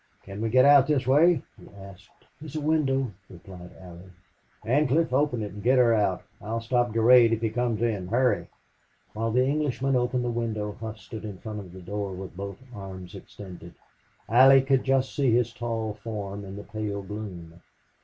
"Can we get out this way?" he asked. "There's a window," replied Allie. "Ancliffe, open it and get her out. I'll stop Durade if he comes in. Hurry!" While the Englishman opened the window Hough stood in front of the door with both arms extended. Allie could just see his tall form in the pale gloom.